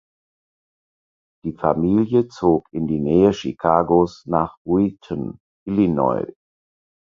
Die Familie zog in die Nähe Chicagos nach Wheaton (Illinois).